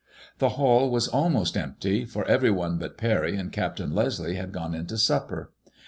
The hall was almost empty, for every one but Parry and Captain Leslie had gone into supper.